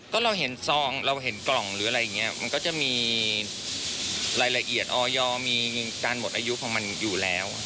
ต้องมีสคริปท์อยู่แล้ว